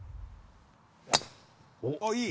あっいい！